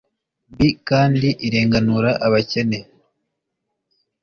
bkandi irenganura abakene